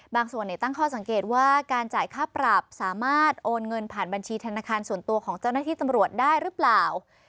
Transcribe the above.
บางส่วนตั้งข้อสังเกตว่าการจ่ายค่าปรับสามารถโอนเงินผ่านบัญชีธนาคารส่วนตัวของเจ้าหน้าที่ตำรวจได้หรือเปล่า